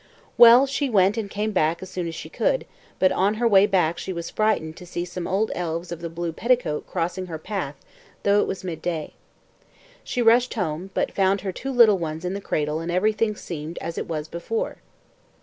Well, she went and came back as soon as she could, but on her way back she was frightened to see some old elves of the blue petticoat crossing her path though it was midday. She rushed home, but found her two little ones in the cradle and everything seemed as it was before.